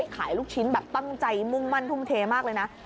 ขายลูกชิ้นแบบตั้งใจมุ่งมั่นทุ่มเทมากเลยนะ